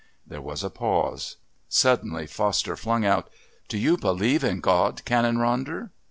There was a pause. Suddenly Foster flung out, "Do you believe in God, Canon Ronder?"